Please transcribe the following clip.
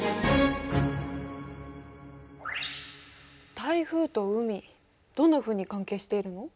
台風と海どんなふうに関係しているの？